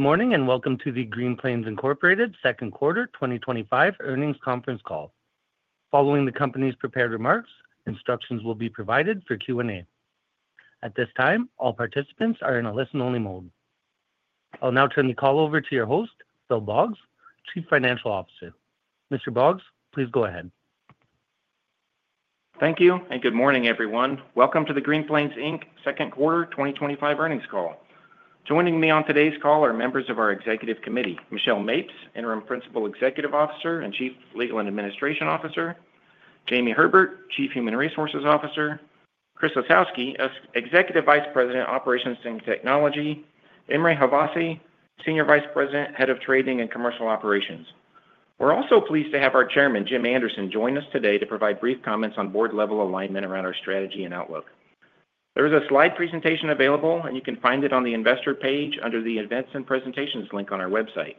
Good morning and welcome to the Green Plains Inc Second Quarter 2025 Earnings Conference Call. Following the company's prepared remarks, instructions will be provided for Q&A. At this time, all participants are in a listen-only mode. I'll now turn the call over to your host, Phil Boggs, Chief Financial Officer. Mr. Boggs, please go ahead. Thank you and good morning, everyone. Welcome to the Green Plains Inc Second Quarter 2025 Earnings Call. Joining me on today's call are members of our Executive Committee: Michelle Mapes, Interim Principal Executive Officer and Chief Legal and Administration Officer; Jamie Herbert, Chief Human Resources Officer; Chris Osowski, Executive Vice President, Operations and Technology; Imre Havasi, Senior Vice President, Head of Trading and Commercial Operations. We're also pleased to have our Chairman, Jim Anderson, join us today to provide brief comments on Board level alignment around our strategy and outlook. There is a slide presentation available, and you can find it on the Investor page under the Events and Presentations link on our website.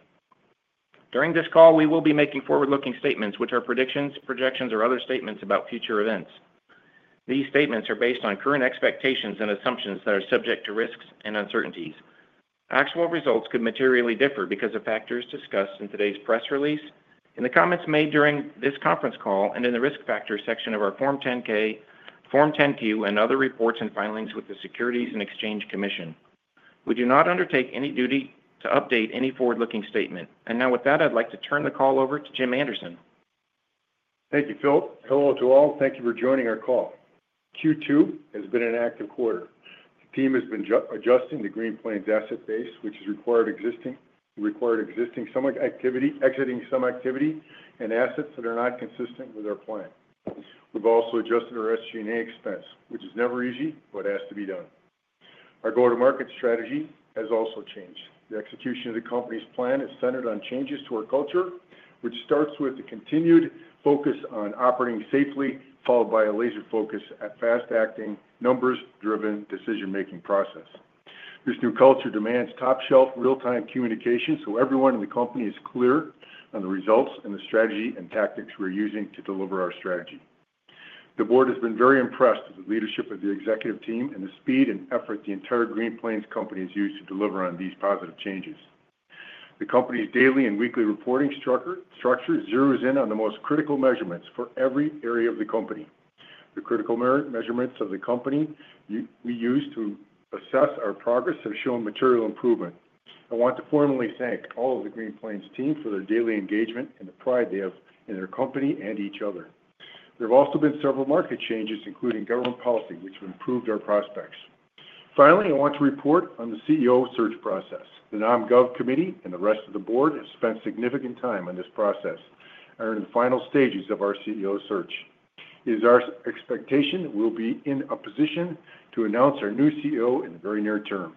During this call, we will be making forward-looking statements, which are predictions, projections, or other statements about future events. These statements are based on current expectations and assumptions that are subject to risks and uncertainties. Actual results could materially differ because of factors discussed in today's press release, in the comments made during this conference call, and in the Risk Factors section of our Form 10-K, Form 10-Q, and other reports and filings with the Securities and Exchange Commission. We do not undertake any duty to update any forward-looking statement. And now with that, I'd like to turn the call over to Jim Anderson. Thank you, Phil. Hello to all. Thank you for joining our call. Q2 has been an active quarter. The team has been adjusting the Green Plains asset base, which has required exiting some activity and assets that are not consistent with our plan. We've also adjusted our SG&A expense, which is never easy, but has to be done. Our go-to-market strategy has also changed. The execution of the company's plan is centered on changes to our culture, which starts with a continued focus on operating safely, followed by a laser focus at fast-acting, numbers-driven decision-making process. This new culture demands top-shelf, real-time communication, so everyone in the company is clear on the results and the strategy and tactics we're using to deliver our strategy. The Board has been very impressed with the leadership of the executive team and the speed and effort the entire Green Plains company has used to deliver on these positive changes. The company's daily and weekly reporting structure zeroes in on the most critical measurements for every area of the company. The critical measurements of the company we use to assess our progress have shown material improvement. I want to formally thank all of the Green Plains team for their daily engagement and the pride they have in their company and each other. There have also been several market changes, including government policy, which have improved our prospects. Finally, I want to report on the CEO search process. The non-gov committee and the rest of the Board have spent significant time on this process and are in the final stages of our CEO search. It is our expectation that we'll be in a position to announce our new CEO in the very near term.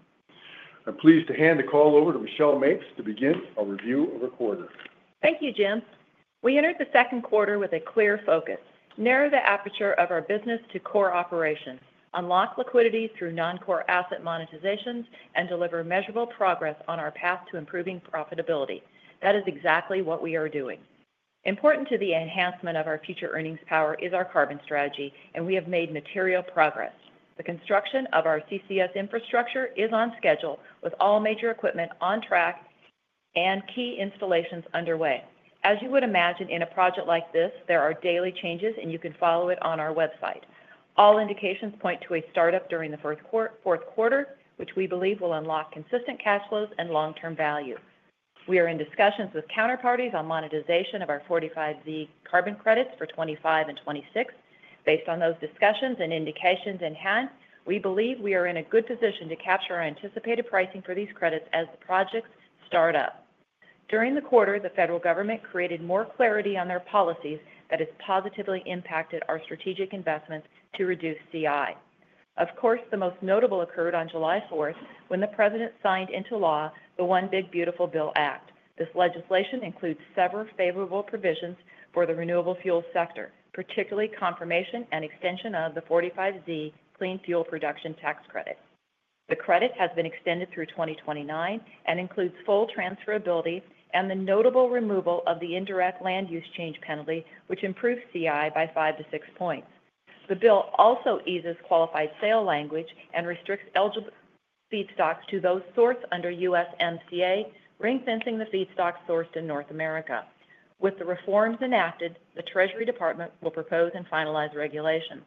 I'm pleased to hand the call over to Michelle Mapes to begin our review of the quarter. Thank you, Jim. We entered the second quarter with a clear focus: narrow the aperture of our business to core operations, unlock liquidity through non-core asset monetizations, and deliver measurable progress on our path to improving profitability. That is exactly what we are doing. Important to the enhancement of our future earnings power is our carbon strategy, and we have made material progress. The construction of our CCS infrastructure is on schedule, with all major equipment on track and key installations underway. As you would imagine, in a project like this, there are daily changes, and you can follow it on our website. All indications point to a startup during the fourth quarter, which we believe will unlock consistent cash flows and long-term value. We are in discussions with counterparties on monetization of our 45Z carbon credits for 2025 and 2026. Based on those discussions and indications in hand, we believe we are in a good position to capture our anticipated pricing for these credits as the projects start up. During the quarter, the federal government created more clarity on their policies that has positively impacted our strategic investments to reduce CI. Of course, the most notable occurred on July 4th when the President signed into law the One Big Beautiful Bill Act. This legislation includes several favorable provisions for the renewable fuel sector, particularly confirmation and extension of the 45Z Clean Fuel Production Tax Credit. The credit has been extended through 2029 and includes full transferability and the notable removal of the indirect land use change penalty, which improves CI by five to six points. The bill also eases qualified sale language and restricts eligible feedstocks to those sourced under USMCA, ring-fencing the feedstocks sourced in North America. With the reforms enacted, the Treasury Department will propose and finalize regulations.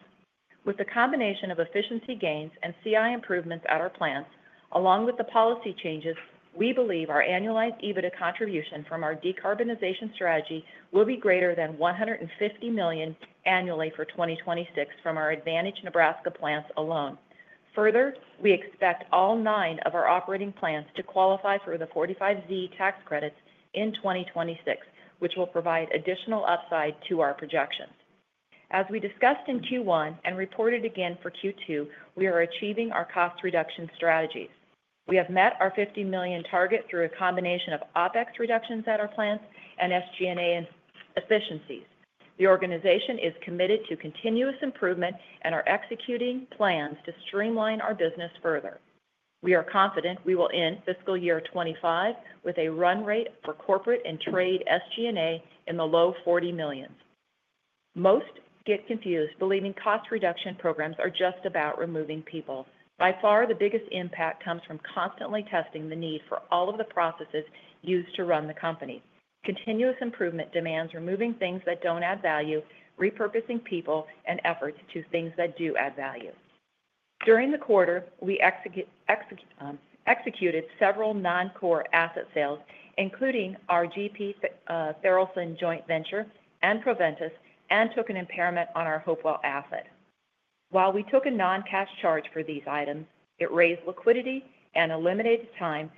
With the combination of efficiency gains and CI improvements at our plants, along with the policy changes, we believe our annualized EBITDA contribution from our decarbonization strategy will be greater than $150 million annually for 2026 from our Advantage Nebraska plants alone. Further, we expect all nine of our operating plants to qualify for the 45Z tax credits in 2026, which will provide additional upside to our projections. As we discussed in Q1 and reported again for Q2, we are achieving our cost reduction strategies. We have met our $50 million target through a combination of OpEx reductions at our plants and SG&A efficiencies. The organization is committed to continuous improvement and is executing plans to streamline our business further. We are confident we will end fiscal year 2025 with a run rate for corporate and trade SG&A in the low $40 million. Most get confused, believing cost reduction programs are just about removing people. By far, the biggest impact comes from constantly testing the need for all of the processes used to run the company. Continuous improvement demands removing things that don't add value, repurposing people and efforts to things that do add value. During the quarter, we executed several non-core asset sales, including our GP Tharaldson joint venture and Proventus, and took an impairment on our Hopewell asset. While we took a non-cash charge for these items, it raised liquidity and eliminated time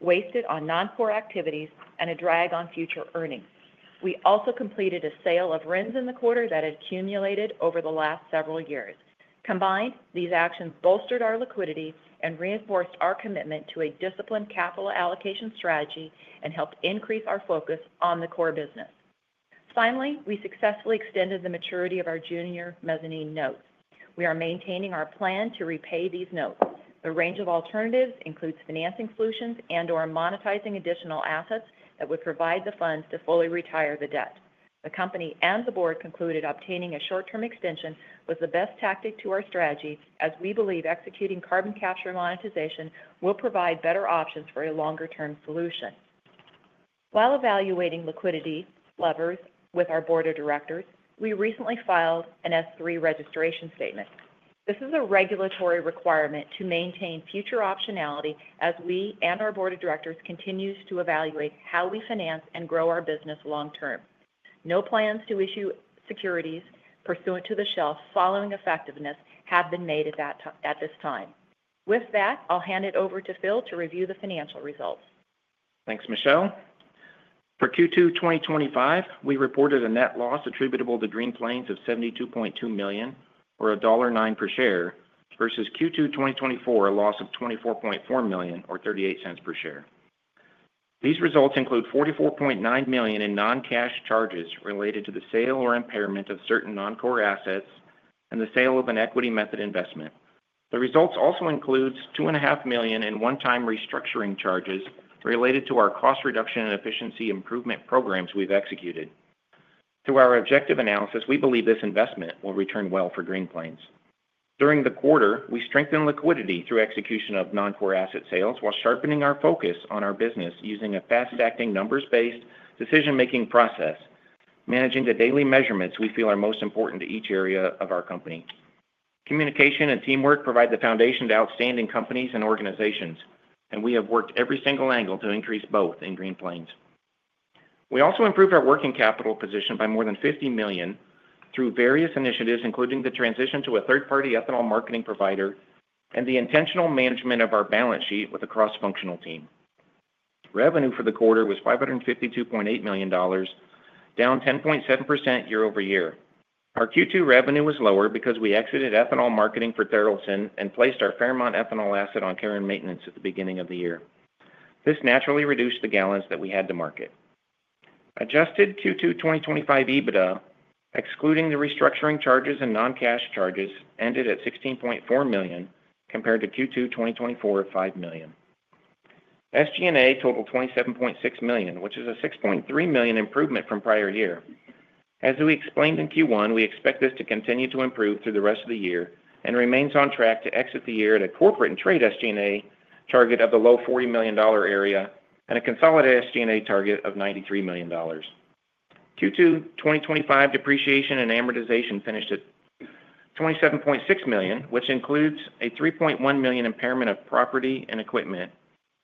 wasted on non-core activities and a drag on future earnings. We also completed a sale of RINS in the quarter that had accumulated over the last several years. Combined, these actions bolstered our liquidity and reinforced our commitment to a disciplined capital allocation strategy and helped increase our focus on the core business. Finally, we successfully extended the maturity of our junior mezzanine notes. We are maintaining our plan to repay these notes. The range of alternatives includes financing solutions and/or monetizing additional assets that would provide the funds to fully retire the debt. The company and the Board concluded obtaining a short-term extension was the best tactic to our strategy, as we believe executing carbon capture and monetization will provide better options for a longer-term solution. While evaluating liquidity levers with our Board of Directors, we recently filed an S-3 registration statement. This is a regulatory requirement to maintain future optionality as we and our Board of Directors continue to evaluate how we finance and grow our business long term. No plans to issue securities pursuant to the shelf following effectiveness have been made at this time. With that, I'll hand it over to Phil to review the financial results. Thanks, Michelle. For Q2 2025, we reported a net loss attributable to Green Plains of $72.2 million, or $1.09 per share, versus Q2 2024, a loss of $24.4 million, or $0.38 per share. These results include $44.9 million in non-cash charges related to the sale or impairment of certain non-core assets and the sale of an equity method investment. The results also include $2.5 million in one-time restructuring charges related to our cost reduction and efficiency improvement programs we've executed. Through our objective analysis, we believe this investment will return well for Green Plains. During the quarter, we strengthened liquidity through execution of non-core asset sales, while sharpening our focus on our business using a fast-acting, numbers-based decision-making process, managing the daily measurements we feel are most important to each area of our company. Communication and teamwork provide the foundation to outstanding companies and organizations, and we have worked every single angle to increase both in Green Plains. We also improved our working capital position by more than $50 million through various initiatives, including the transition to a third-party ethanol marketing provider and the intentional management of our balance sheet with a cross-functional team. Revenue for the quarter was $552.8 million, down 10.7% year-over-year. Our Q2 revenue was lower because we exited ethanol marketing for Tharaldson and placed our Fairmont ethanol asset on care and maintenance at the beginning of the year. This naturally reduced the gallons that we had to market. Adjusted Q2 2025 EBITDA, excluding the restructuring charges and non-cash charges, ended at $16.4 million compared to Q2 2024 of $5 million. SG&A totaled $27.6 million, which is a $6.3 million improvement from prior year. As we explained in Q1, we expect this to continue to improve through the rest of the year and remains on track to exit the year at a corporate and trade SG&A target of the low $40 million area and a consolidated SG&A target of $93 million. Q2 2025 depreciation and amortization finished at $27.6 million, which includes a $3.1 million impairment of property and equipment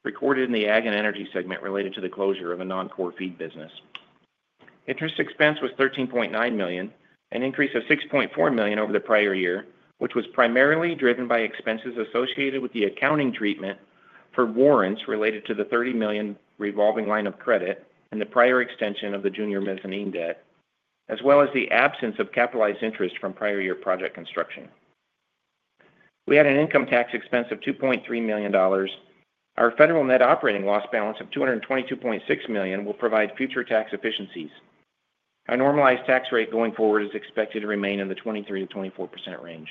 recorded in the Ag and Energy segment related to the closure of a non-core feed business. Interest expense was $13.9 million, an increase of $6.4 million over the prior year, which was primarily driven by expenses associated with the accounting treatment for warrants related to the $30 million revolving line of credit and the prior extension of the junior mezzanine debt, as well as the absence of capitalized interest from prior year project construction. We had an income tax expense of $2.3 million. Our federal net operating loss balance of $222.6 million will provide future tax efficiencies. Our normalized tax rate going forward is expected to remain in the 23%-24% range.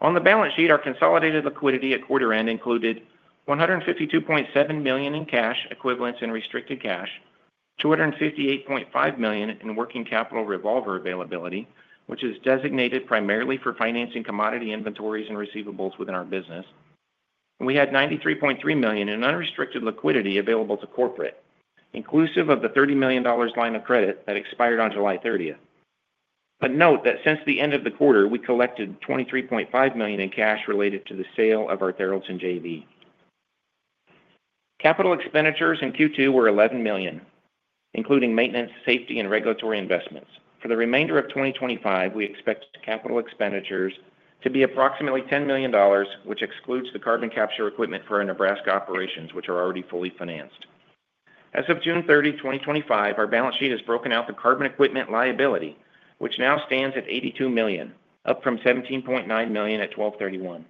On the balance sheet, our consolidated liquidity at quarter end included $152.7 million in cash equivalents and restricted cash, $258.5 million in working capital revolver availability, which is designated primarily for financing commodity inventories and receivables within our business. We had $93.3 million in unrestricted liquidity available to corporate, inclusive of the $30 million line of credit that expired on July 30th. A note that since the end of the quarter, we collected $23.5 million in cash related to the sale of our Tharaldson JV. Capital expenditures in Q2 were $11 million, including maintenance, safety, and regulatory investments. For the remainder of 2025, we expect capital expenditures to be approximately $10 million, which excludes the carbon capture equipment for our Nebraska operations, which are already fully financed. As of June 30, 2025, our balance sheet has broken out the carbon equipment liability, which now stands at $82 million, up from $17.9 million at 12/31.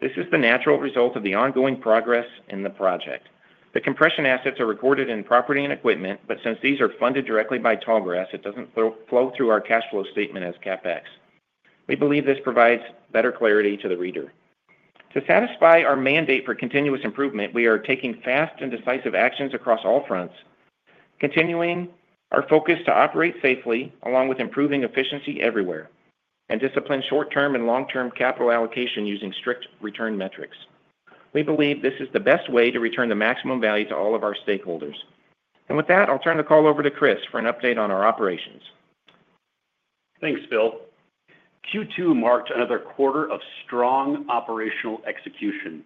This is the natural result of the ongoing progress in the project. The compression assets are recorded in property and equipment, but since these are funded directly by Tallgrass, it doesn't flow through our cash flow statement as CapEx. We believe this provides better clarity to the reader. To satisfy our mandate for continuous improvement, we are taking fast and decisive actions across all fronts, continuing our focus to operate safely, along with improving efficiency everywhere and discipline short-term and long-term capital allocation using strict return metrics. We believe this is the best way to return the maximum value to all of our stakeholders. And with that, I'll turn the call over to Chris for an update on our operations. Thanks, Phil. Q2 marked another quarter of strong operational execution.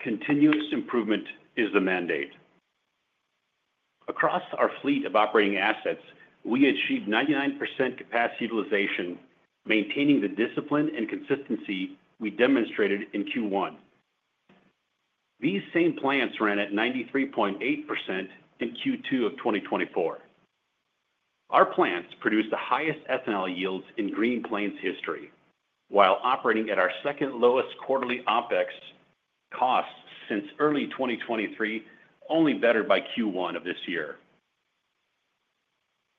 Continuous improvement is the mandate. Across our fleet of operating assets, we achieved 99% capacity utilization, maintaining the discipline and consistency we demonstrated in Q1. These same plants ran at 93.8% in Q2 of 2024. Our plants produced the highest ethanol yields in Green Plains history, while operating at our second lowest quarterly OpEx costs since early 2023, only bettered by Q1 of this year.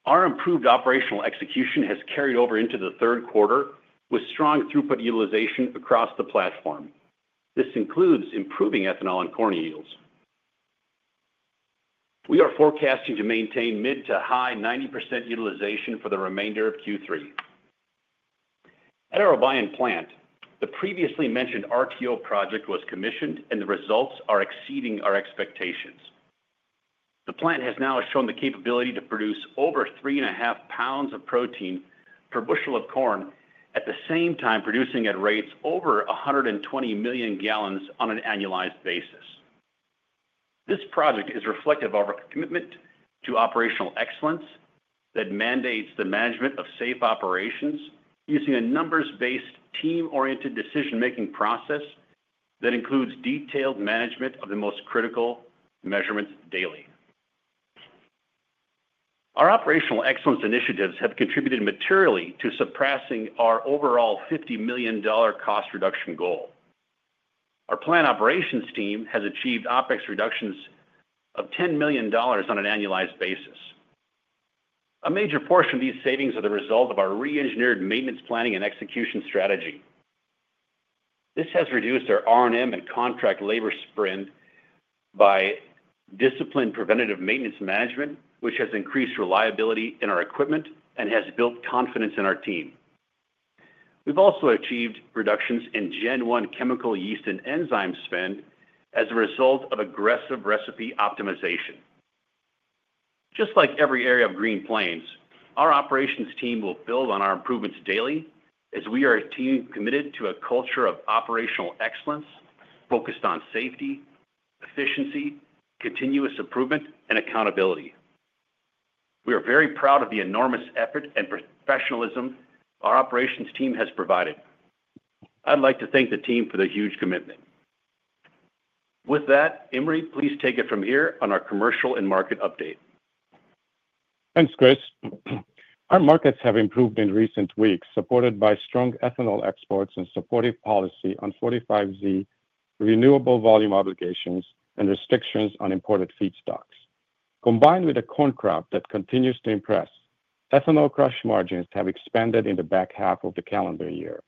Our improved operational execution has carried over into the third quarter with strong throughput utilization across the platform. This includes improving ethanol and corn yields. We are forecasting to maintain mid to high 90% utilization for the remainder of Q3. At our Obion plant, the previously mentioned RTO project was commissioned and the results are exceeding our expectations. The plant has now shown the capability to produce over 3.5 lbs of protein per bushel of corn at the same time, producing at rates over 120 million gallons on an annualized basis. This project is reflective of our commitment to operational excellence that mandates the management of safe operations using a numbers-based, team-oriented decision-making process that includes detailed management of the most critical measurements daily. Our operational excellence initiatives have contributed materially to surpassing our overall $50 million cost reduction goal. Our plant operations team has achieved OpEx reductions of $10 million on an annualized basis. A major portion of these savings are the result of our re-engineered maintenance planning and execution strategy. This has reduced our R&M and contract labor spend by disciplined preventative maintenance management, which has increased reliability in our equipment and has built confidence in our team. We've also achieved reductions in Gen 1 chemical yeast and enzyme spend as a result of aggressive recipe optimization. Just like every area of Green Plains, our operations team will build on our improvements daily as we are a team committed to a culture of operational excellence focused on safety, efficiency, continuous improvement, and accountability. We are very proud of the enormous effort and professionalism our operations team has provided. I'd like to thank the team for their huge commitment. With that, Imre, please take it from here on our commercial and market update. Thanks, Chris. Our markets have improved in recent weeks, supported by strong ethanol exports and supportive policy on 45Z renewable volume obligations and restrictions on imported feedstocks. Combined with a corn crop that continues to impress, ethanol crush margins have expanded in the back half of the calendar year.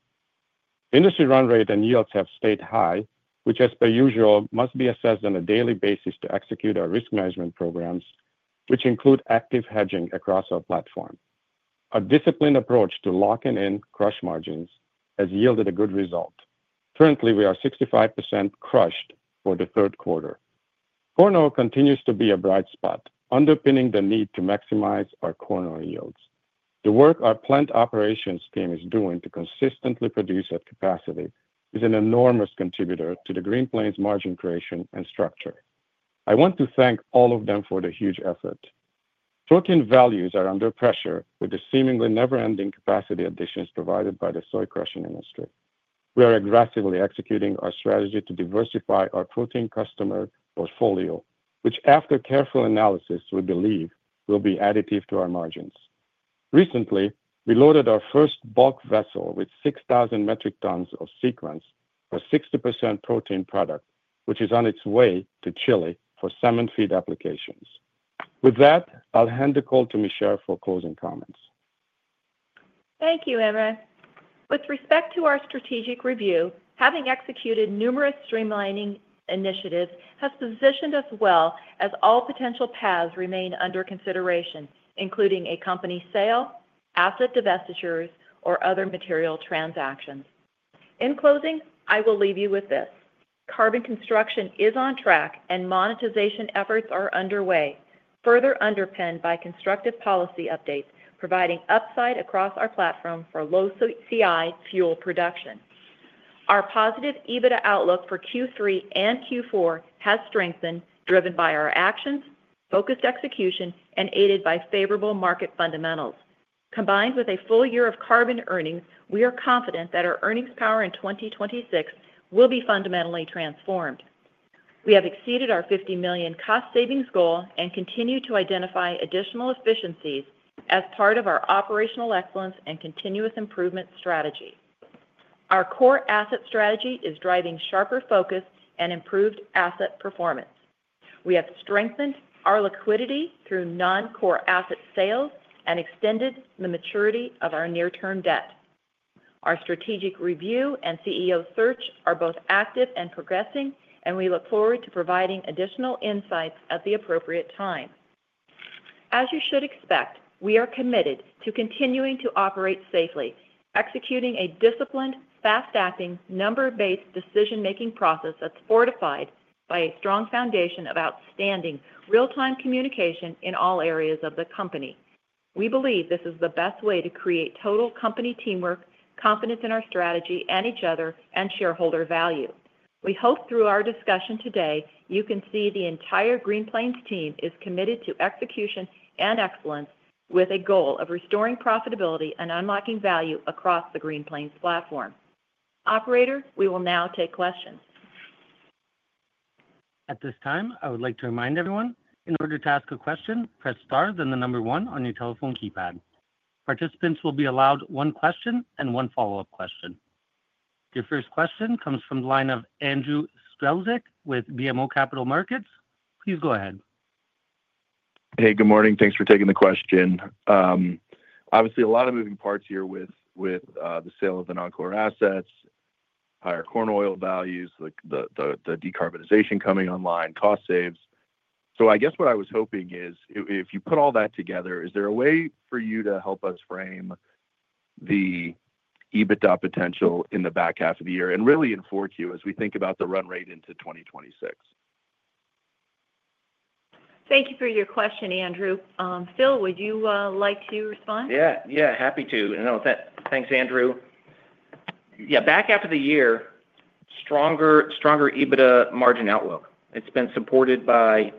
Industry run rate and yields have stayed high, which, as per usual, must be assessed on a daily basis to execute our risk management programs, which include active hedging across our platform. Our disciplined approach to locking in crush margins has yielded a good result. Currently, we are 65% crushed for the third quarter. Corn oil continues to be a bright spot, underpinning the need to maximize our corn oil yields. The work our plant operations team is doing to consistently produce at capacity is an enormous contributor to the Green Plains margin creation and structure. I want to thank all of them for their huge effort. Protein values are under pressure with the seemingly never-ending capacity additions provided by the soy crushing industry. We are aggressively executing our strategy to diversify our protein customer portfolio, which, after careful analysis, we believe will be additive to our margins. Recently, we loaded our first bulk vessel with 6,000 metric tons of Sequence, our 60% protein product, which is on its way to Chile for salmon feed applications. With that, I'll hand the call to Michelle for closing comments. Thank you, Imre. With respect to our strategic review, having executed numerous streamlining initiatives has positioned us well as all potential paths remain under consideration, including a company sale, asset divestitures, or other material transactions. In closing, I will leave you with this: carbon construction is on track and monetization efforts are underway, further underpinned by constructive policy updates providing upside across our platform for low CI fuel production. Our positive EBITDA outlook for Q3 and Q4 has strengthened, driven by our actions, focused execution, and aided by favorable market fundamentals. Combined with a full year of carbon earnings, we are confident that our earnings power in 2026 will be fundamentally transformed. We have exceeded our $50 million cost savings goal and continue to identify additional efficiencies as part of our operational excellence and continuous improvement strategy. Our core asset strategy is driving sharper focus and improved asset performance. We have strengthened our liquidity through non-core asset sales and extended the maturity of our near-term debt. Our strategic review and CEO search are both active and progressing, and we look forward to providing additional insights at the appropriate time. As you should expect, we are committed to continuing to operate safely, executing a disciplined, fast-acting, number-based decision-making process that's fortified by a strong foundation of outstanding real-time communication in all areas of the company. We believe this is the best way to create total company teamwork, confidence in our strategy and each other, and shareholder value. We hope through our discussion today you can see the entire Green Plains team is committed to execution and excellence with a goal of restoring profitability and unlocking value across the Green Plains platform. Operator, we will now take questions. At this time, I would like to remind everyone, in order to ask a question, press star and the number one on your telephone keypad. Participants will be allowed one question and one follow-up question. Your first question comes from the line of Andrew Strelzik with BMO Capital Markets. Please go ahead. Hey, good morning. Thanks for taking the question. Obviously, a lot of moving parts here with the sale of the non-core assets, higher corn oil values, the decarbonization coming online, cost saves. I guess what I was hoping is if you put all that together, is there a way for you to help us frame the EBITDA potential in the back half of the year and really in 4Q as we think about the run rate into 2026? Thank you for your question, Andrew. Phil, would you like to respond? Yeah, happy to. I don't know, thanks, Andrew. Back half of the year, stronger EBITDA margin outlook. It's been supported by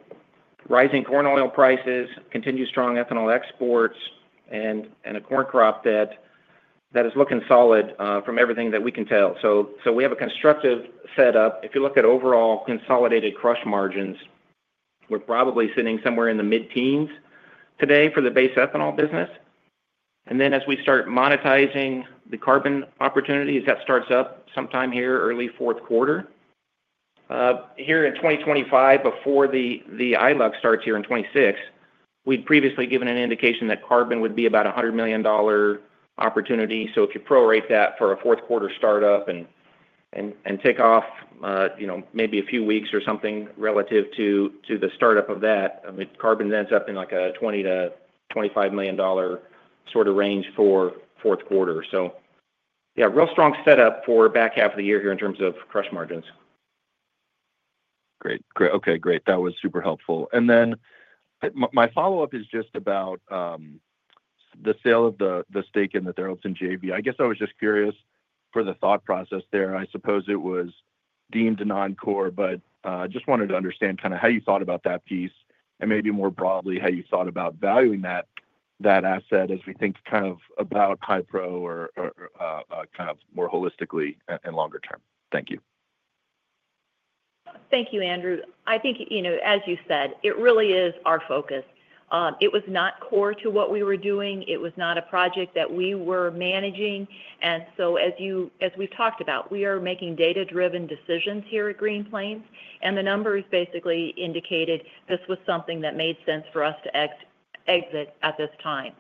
rising corn oil prices, continued strong ethanol exports, and a corn crop that is looking solid from everything that we can tell. We have a constructive setup. If you look at overall consolidated crush margins, we're probably sitting somewhere in the mid-teens today for the base ethanol business. As we start monetizing the carbon opportunities, that starts up sometime here early fourth quarter. Here in 2025, before the ILUC starts here in 2026, we'd previously given an indication that carbon would be about a $100 million opportunity. If you prorate that for a fourth quarter startup and tick off maybe a few weeks or something relative to the startup of that, carbon ends up in like a $20 million-$25 million sort of range for fourth quarter. Real strong setup for back half of the year here in terms of crush margins. Great. Okay, great. That was super helpful. My follow-up is just about the sale of the stake in the Tharaldson JV. I was just curious for the thought process there. I suppose it was deemed a non-core, but I just wanted to understand how you thought about that piece and maybe more broadly how you thought about valuing that asset as we think about high pro or more holistically and longer term? Thank you. Thank you, Andrew. I think, you know, as you said, it really is our focus. It was not core to what we were doing. It was not a project that we were managing. As we've talked about, we are making data-driven decisions here at Green Plains, and the numbers basically indicated this was something that made sense for us to exit at this time.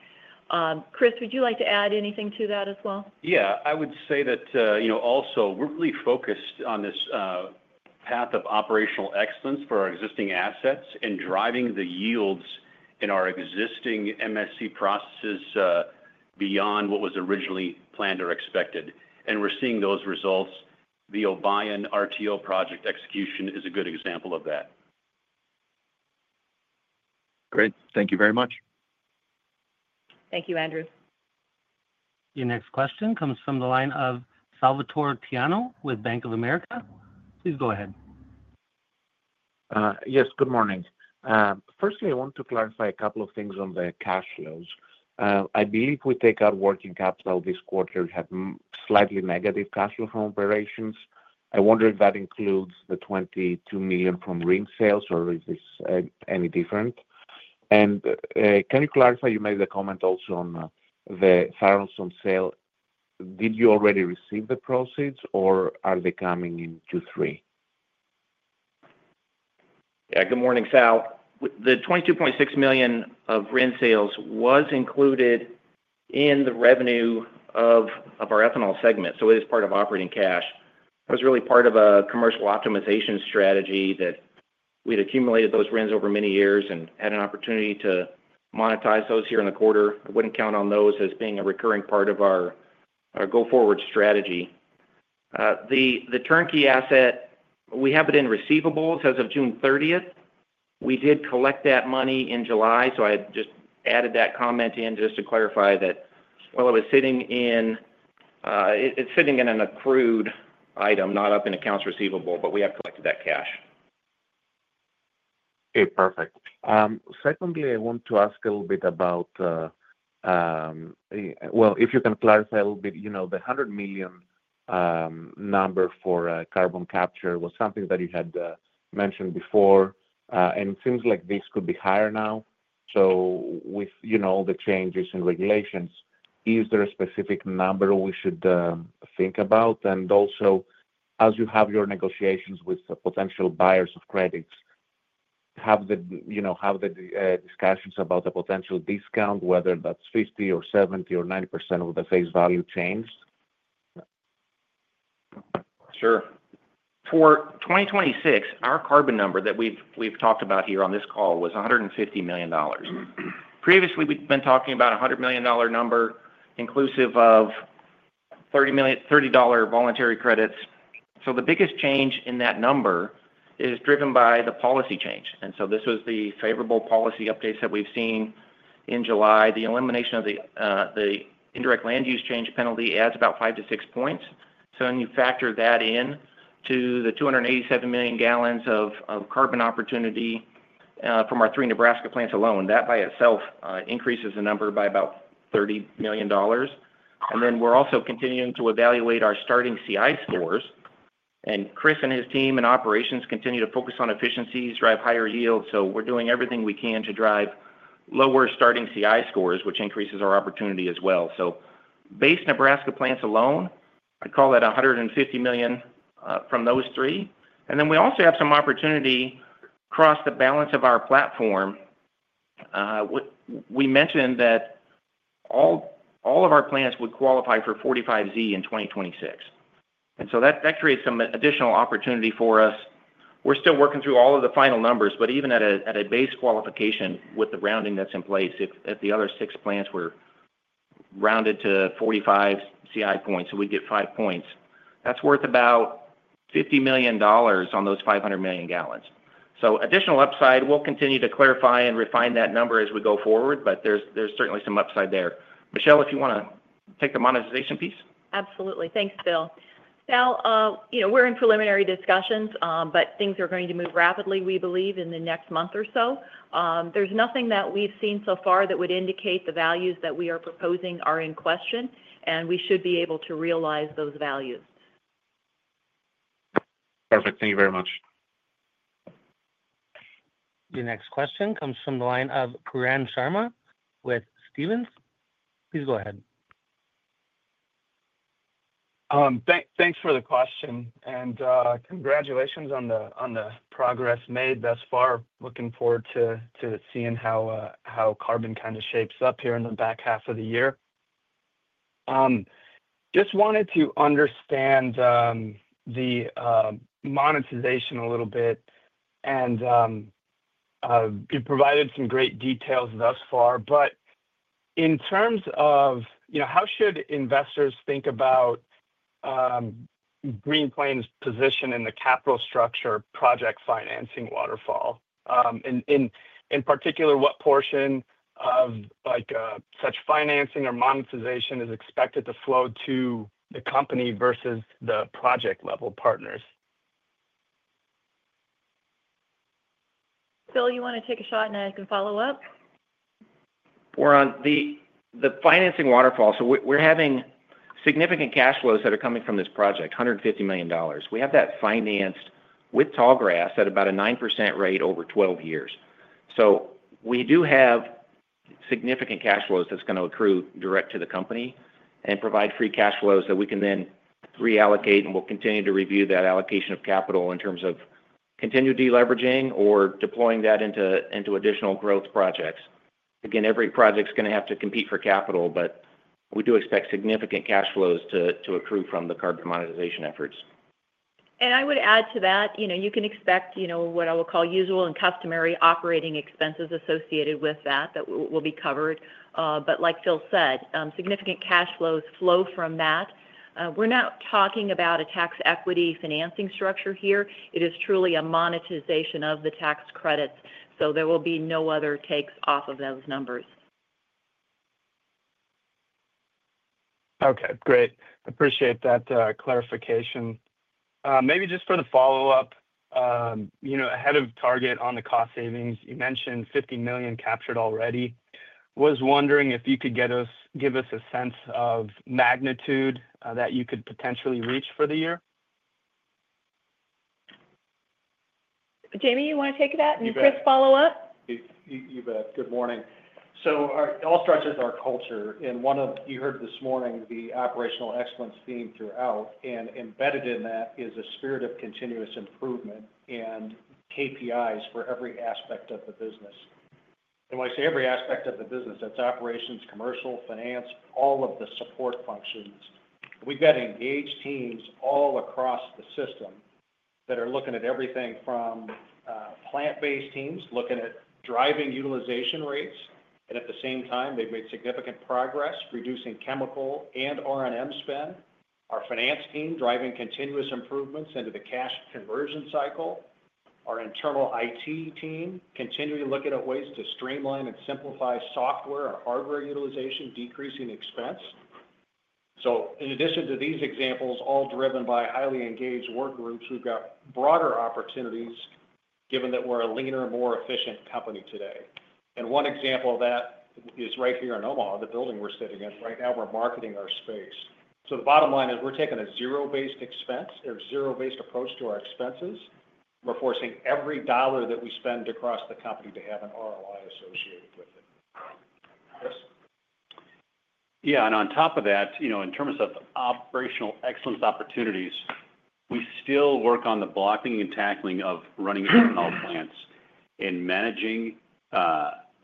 Chris, would you like to add anything to that as well? Yeah, I would say that, you know, also we're really focused on this path of operational excellence for our existing assets and driving the yields in our existing MSC processes beyond what was originally planned or expected. We're seeing those results. The Obion RTO project execution is a good example of that. Great, thank you very much. Thank you, Andrew. Your next question comes from the line of Salvator Tiano with Bank of America. Please go ahead. Yes, good morning. Firstly, I want to clarify a couple of things on the cash flows. I believe we take our working capital this quarter had slightly negative cash flow from operations. I wonder if that includes the $22 million from RIN sales or is this any different? Can you clarify you made the comment also on the Tharaldson sale. Did you already receive the proceeds or are they coming in Q3? Yeah, good morning, Sal. The $22.6 million of RIN sales was included in the revenue of our ethanol segment, so it is part of operating cash. That was really part of a commercial optimization strategy that we had accumulated those RINS over many years and had an opportunity to monetize those here in the quarter. I wouldn't count on those as being a recurring part of our go-forward strategy. The turnkey asset, we have it in receivables as of June 30th, 2023. We did collect that money in July. I had just added that comment in to clarify that while it was sitting in, it's sitting in an accrued item, not up in accounts receivable, but we have collected that cash. Okay, perfect. Secondly, I want to ask a little bit about, if you can clarify a little bit, you know, the $100 million number for carbon capture was something that you had mentioned before. It seems like this could be higher now. With all the changes in regulations, is there a specific number we should think about? Also, as you have your negotiations with potential buyers of credits, have the discussions about a potential discount, whether that's 50% or 70% or 90% of the face value, changed? Sure. For 2026, our carbon number that we've talked about here on this call was $150 million. Previously, we've been talking about a $100 million number inclusive of $30 voluntary credits. The biggest change in that number is driven by the policy change. This was the favorable policy updates that we've seen in July. The elimination of the indirect land use change penalty adds about five to six points. When you factor that in to the 287 million gallons of carbon opportunity from our three Nebraska plants alone, that by itself increases the number by about $30 million. We're also continuing to evaluate our starting CI scores. Chris and his team in Operations continue to focus on efficiencies, drive higher yields. We're doing everything we can to drive lower starting CI scores, which increases our opportunity as well. Based on Nebraska plants alone, I call that $150 million from those three. We also have some opportunity across the balance of our platform. We mentioned that all of our plants would qualify for 45Z in 2026. That creates some additional opportunity for us. We're still working through all of the final numbers, but even at a base qualification with the rounding that's in place, if the other six plants were rounded to 45 CI points, we'd get five points. That's worth about $50 million on those 500 million gallons. Additional upside, we'll continue to clarify and refine that number as we go forward, but there's certainly some upside there. Michelle, if you want to take the monetization piece? Absolutely. Thanks, Phil. Sal, we're in preliminary discussions, but things are going to move rapidly, we believe, in the next month or so. There's nothing that we've seen so far that would indicate the values that we are proposing are in question, and we should be able to realize those values. Perfect. Thank you very much. Your next question comes from the line of Pooran Sharma with Stephens. Please go ahead. Thanks for the question, and congratulations on the progress made thus far. Looking forward to seeing how carbon kind of shapes up here in the back half of the year. Just wanted to understand the monetization a little bit, and you've provided some great details thus far. In terms of how should investors think about Green Plains' position in the capital structure project financing waterfall, in particular, what portion of like such financing or monetization is expected to flow to the company versus the project-level partners? Phil, you want to take a shot and I can follow up? We're on the financing waterfall. We're having significant cash flows that are coming from this project, $150 million. We have that financed with Tallgrass at about a 9% rate over 12 years. We do have significant cash flows that's going to accrue direct to the company and provide free cash flows that we can then reallocate, and we'll continue to review that allocation of capital in terms of continued deleveraging or deploying that into additional growth projects. Again, every project's going to have to compete for capital, but we do expect significant cash flows to accrue from the carbon monetization efforts. I would add to that, you can expect what I will call usual and customary operating expenses associated with that that will be covered. Like Phil said, significant cash flows flow from that. We're not talking about a tax equity financing structure here. It is truly a monetization of the tax credits. There will be no other takes off of those numbers. Okay, great. Appreciate that clarification. Maybe just for the follow-up, you know, ahead of target on the cost savings, you mentioned $50 million captured already. Was wondering if you could give us a sense of magnitude that you could potentially reach for the year? Jamie, you want to take that and Chris follow up? You bet. Good morning. All structures are culture. You heard this morning the operational excellence theme throughout, and embedded in that is a spirit of continuous improvement and KPIs for every aspect of the business. When I say every aspect of the business, that's operations, commercial, finance, all of the support functions. We've got engaged teams all across the system that are looking at everything from plant-based teams looking at driving utilization rates, and at the same time, they've made significant progress reducing chemical and R&M spend. Our finance team is driving continuous improvements into the cash conversion cycle. Our internal IT team is continually looking at ways to streamline and simplify software and hardware utilization, decreasing expense. In addition to these examples, all driven by highly engaged work groups, we've got broader opportunities given that we're a leaner, more efficient company today. One example of that is right here in Omaha, the building we're sitting in. Right now, we're marketing our space. The bottom line is we're taking a zero-based approach to our expenses. We're forcing every dollar that we spend across the company to have an ROI associated with it. Yeah. And on top of that, you know, in terms of operational excellence opportunities, we still work on the blocking and tackling of running ethanol plants and managing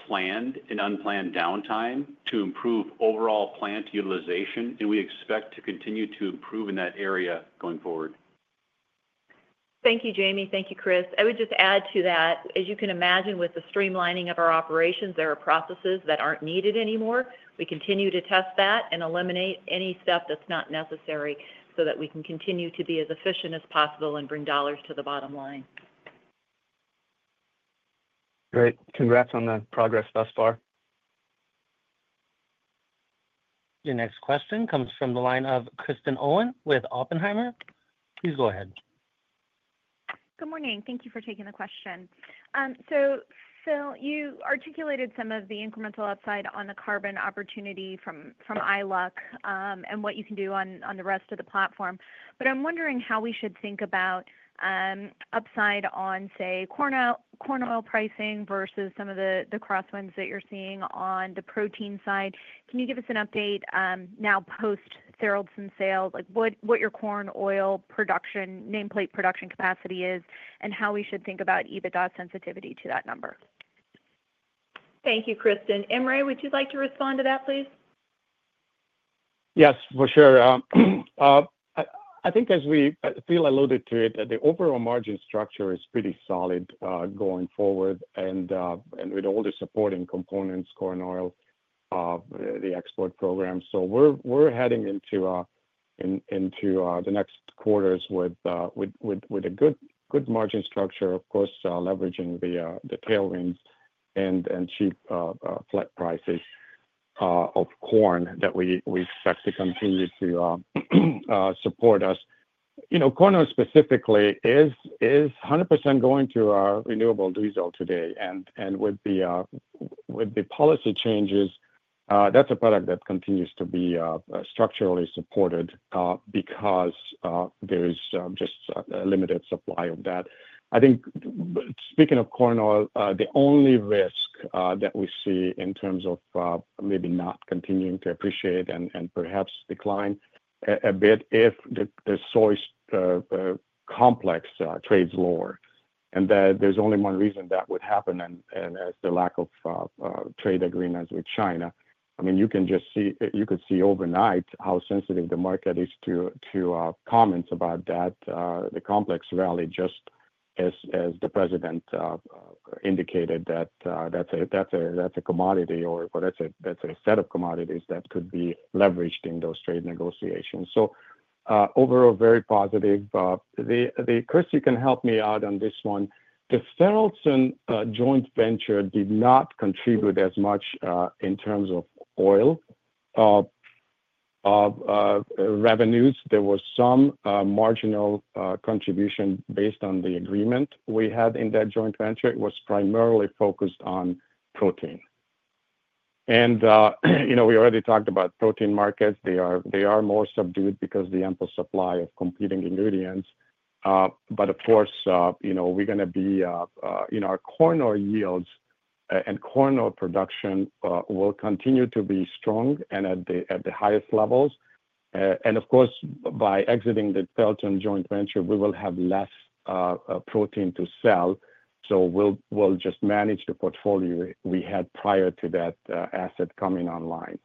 planned and unplanned downtime to improve overall plant utilization, and we expect to continue to improve in that area going forward. Thank you, Jamie. Thank you, Chris. I would just add to that, as you can imagine, with the streamlining of our operations, there are processes that aren't needed anymore. We continue to test that and eliminate any stuff that's not necessary so that we can continue to be as efficient as possible and bring dollars to the bottom line. Great. Congrats on the progress thus far. Your next question comes from the line of Kristen Owen with Oppenheimer. Please go ahead. Good morning. Thank you for taking the question. Phil, you articulated some of the incremental upside on the carbon opportunity from ILUC and what you can do on the rest of the platform. I'm wondering how we should think about upside on, say, corn oil pricing versus some of the crosswinds that you're seeing on the protein side. Can you give us an update now post Tharaldson sale, like what your corn oil production nameplate production capacity is, and how we should think about EBITDA sensitivity to that number? Thank you, Kristen. Imre, would you like to respond to that, please? Yes, for sure. I think as we, I feel I alluded to it, the overall margin structure is pretty solid going forward, and with all the supporting components, corn oil, the export program. We're heading into the next quarters with a good margin structure, of course, leveraging the tailwinds and cheap flat prices of corn that we expect to continue to support us. Corn oil specifically is 100% going to renewable diesel today. With the policy changes, that's a product that continues to be structurally supported because there's just a limited supply of that. I think speaking of corn oil, the only risk that we see in terms of maybe not continuing to appreciate and perhaps decline a bit is if the soy complex trades lower. There's only one reason that would happen, and that's the lack of trade agreements with China. I mean, you can just see, you could see overnight how sensitive the market is to comments about that. The complex rally, just as the President indicated, that's a commodity or that's a set of commodities that could be leveraged in those trade negotiations. Overall, very positive. Chris, you can help me out on this one. The Tharaldson joint venture did not contribute as much in terms of oil revenues. There was some marginal contribution based on the agreement we had in that joint venture. It was primarily focused on protein. We already talked about the protein market. They are more subdued because of the ample supply of competing ingredients. Of course, we're going to be in our corn oil yields and corn oil production will continue to be strong and at the highest levels. By exiting the Tharaldson joint venture, we will have less protein to sell. We'll just manage the portfolio we had prior to that asset coming online.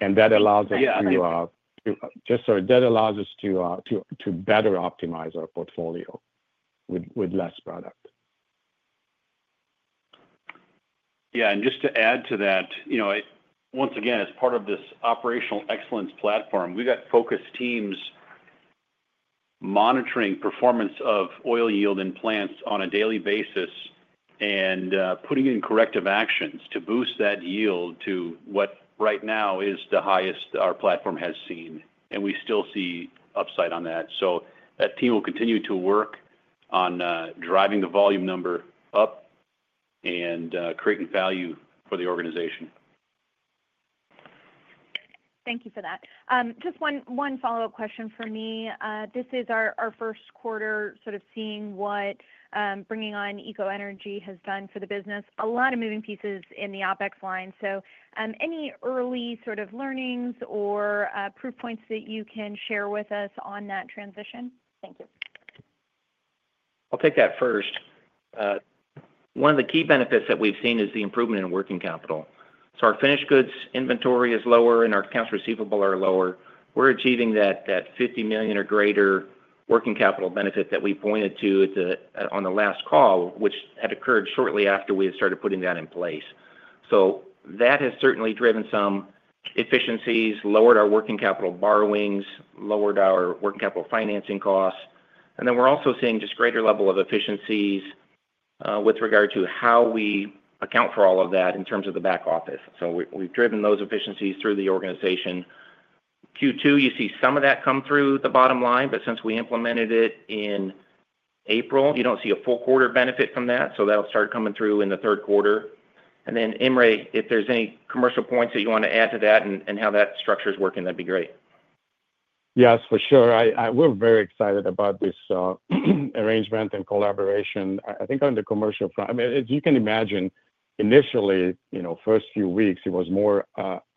That allows us to, just sorry, that allows us to better optimize our portfolio with less product. Yeah, just to add to that, once again, as part of this operational excellence platform, we've got focused teams monitoring performance of oil yield in plants on a daily basis and putting in corrective actions to boost that yield to what right now is the highest our platform has seen. We still see upside on that. That team will continue to work on driving the volume number up and creating value for the organization. Thank you for that. Just one follow-up question from me. This is our first quarter seeing what bringing on Eco-Energy has done for the business. There are a lot of moving pieces in the OpEx line. So, any early sort of learnings or proof points that you can share with us on that transition? Thank you. I'll take that first. One of the key benefits that we've seen is the improvement in working capital. Our finished goods inventory is lower and our accounts receivable are lower. We're achieving that $50 million or greater working capital benefit that we pointed to on the last call, which had occurred shortly after we had started putting that in place. That has certainly driven some efficiencies, lowered our working capital borrowings, lowered our working capital financing costs. We're also seeing just greater level of efficiencies with regard to how we account for all of that in terms of the back office. We've driven those efficiencies through the organization. In Q2, you see some of that come through the bottom line, but since we implemented it in April, you don't see a full quarter benefit from that. That'll start coming through in the third quarter. Imre, if there's any commercial points that you want to add to that and how that structure is working, that'd be great. Yes, for sure. We're very excited about this arrangement and collaboration. I think on the commercial, as you can imagine, initially, the first few weeks, it was more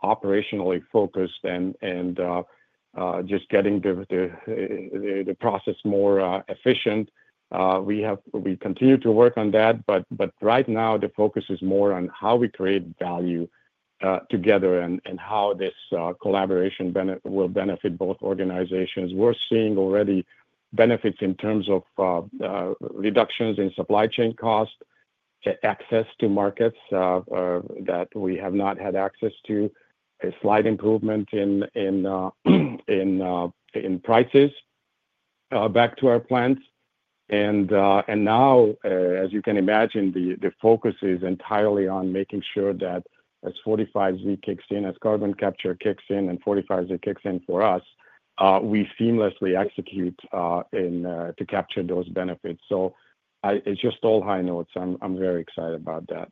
operationally focused and just getting the process more efficient. We continue to work on that, but right now, the focus is more on how we create value together and how this collaboration will benefit both organizations. We're seeing already benefits in terms of reductions in supply chain cost, access to markets that we have not had access to, a slight improvement in prices back to our plants. As you can imagine, the focus is entirely on making sure that as 45Z kicks in, as carbon capture kicks in and 45Z kicks in for us, we seamlessly execute to capture those benefits. It's just all high notes. I'm very excited about that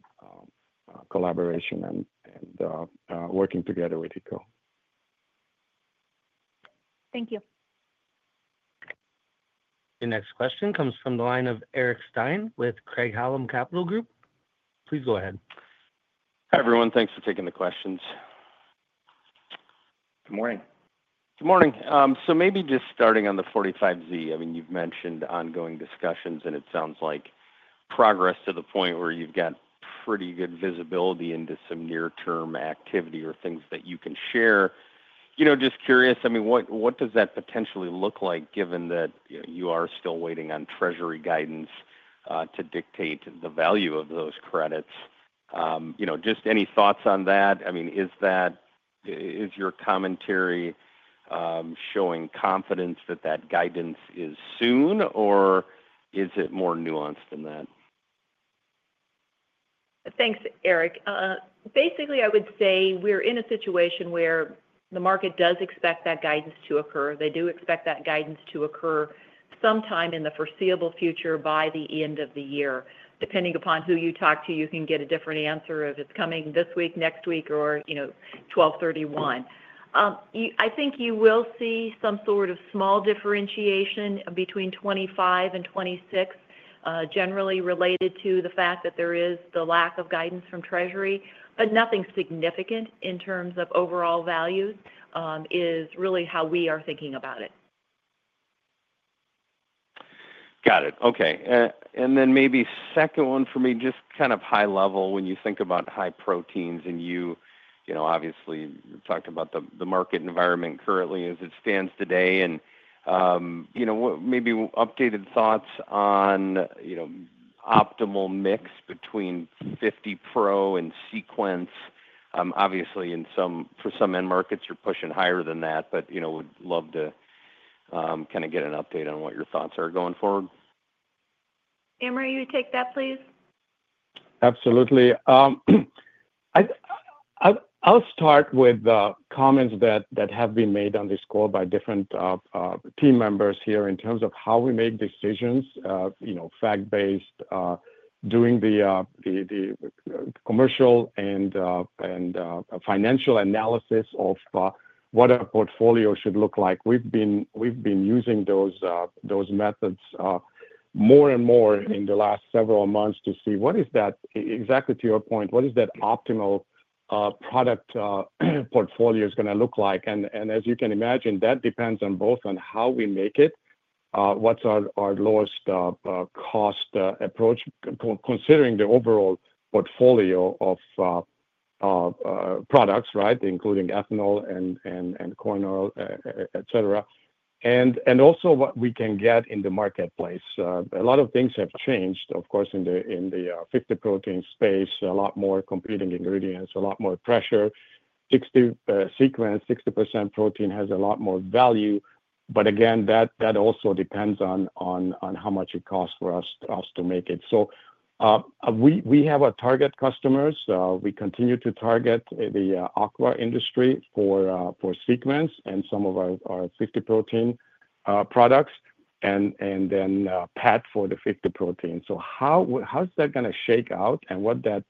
collaboration and working together with Eco. Thank you. Your next question comes from the line of Eric Stine with Craig-Hallum Capital Group. Please go ahead. Hi, everyone. Thanks for taking the questions. Good morning. Good morning. Maybe just starting on the 45Z, you've mentioned ongoing discussions, and it sounds like progress to the point where you've got pretty good visibility into some near-term activity or things that you can share. Just curious, what does that potentially look like given that you are still waiting on Treasury guidance to dictate the value of those credits? Any thoughts on that? Is your commentary showing confidence that that guidance is soon, or is it more nuanced than that? Thanks, Eric. Basically, I would say we're in a situation where the market does expect that guidance to occur. They do expect that guidance to occur sometime in the foreseeable future by the end of the year. Depending upon who you talk to, you can get a different answer if it's coming this week, next week, or, you know, 12/31. I think you will see some sort of small differentiation between 2025 and 2026, generally related to the fact that there is the lack of guidance from Treasury. Nothing significant in terms of overall values is really how we are thinking about it. Got it. Okay. Maybe second one for me, just kind of high level, when you think about high proteins and you, you know, obviously talked about the market environment currently as it stands today. Maybe updated thoughts on optimal mix between 50 Pro and Sequence. Obviously, in some, for some end markets, you're pushing higher than that, but we'd love to kind of get an update on what your thoughts are going forward. Imre, you take that, please. Absolutely. I'll start with the comments that have been made on this call by different team members here in terms of how we make decisions, you know, fact-based, doing the commercial and financial analysis of what a portfolio should look like. We've been using those methods more and more in the last several months to see what is that, exactly to your point, what is that optimal product portfolio is going to look like. As you can imagine, that depends both on how we make it, what's our lowest cost approach, considering the overall portfolio of products, right, including ethanol and corn oil, et cetera, and also what we can get in the marketplace. A lot of things have changed, of course, in the 50 protein space, a lot more competing ingredients, a lot more pressure. 60 Sequence, 60% protein has a lot more value. Again, that also depends on how much it costs for us to make it. We have our target customers. We continue to target the aqua industry for Sequence and some of our 50 protein products and then pet for the 50 protein. How is that going to shake out and what that